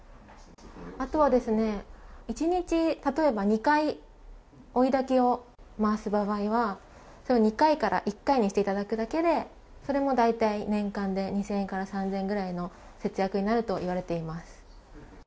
あとは、例えば１日２回追い炊きを回す場合は２回から１回にしていただくだけで、それも大体年間で２０００円から３０００円くらいの節約になるといわれています。